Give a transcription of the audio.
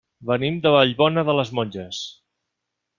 Venim de Vallbona de les Monges.